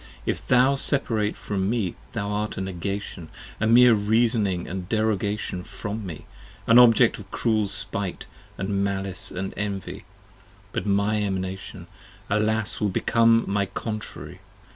If thou separate from me, thou art a Negation: a meer Reasoning & Derogation from me, an Objecting & cruel Spite And Malice & Envy: but my Emanation, Alas! will become My Contrary.